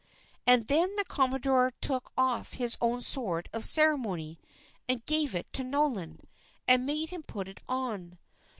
And then the commodore took off his own sword of ceremony, and gave it to Nolan, and made him put it on.